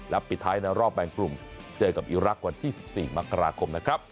และปิดท้ายในรอบแบ่งกลุ่มเจอกับอีรักษ์วันที่๑๔มกราคมนะครับ